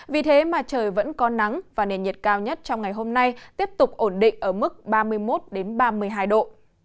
vì thế mà trời vẫn có nắng và nền nhiệt cao nhất trong ngày hôm nay tiếp tục ổn định ở mức ba mươi một ba mươi hai độ